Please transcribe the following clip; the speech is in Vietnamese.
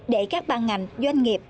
để các ban ngành doanh nghiệp